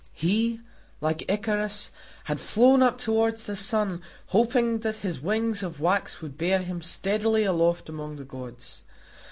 He, like Icarus, had flown up towards the sun, hoping that his wings of wax would bear him steadily aloft among the gods.